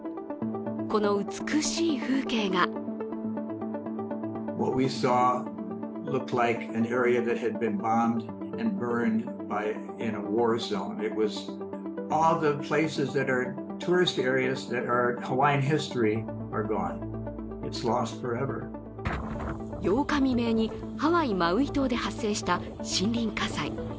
この美しい風景が８日未明にハワイ・マウイ島で発生した森林火災。